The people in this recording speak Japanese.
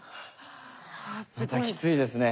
またきついですね。